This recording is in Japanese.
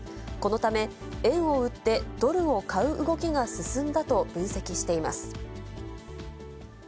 このため、円を売ってドルを買う動きが進んだと分析しています。